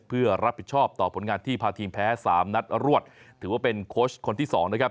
เพื่อรับผิดชอบต่อผลงานที่พาทีมแพ้สามนัดรวดถือว่าเป็นโค้ชคนที่สองนะครับ